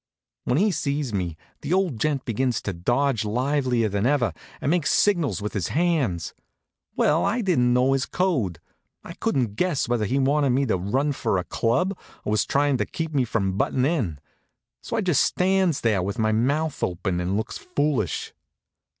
When he sees me the old gent begins to dodge livelier than ever and make signals with his hands. Well, I didn't know his code. I couldn't guess whether he wanted me to run for a club, or was tryin' to keep me from buttin' in, so I just stands there with my mouth open and looks foolish.